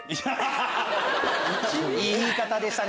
いい言い方でしたね！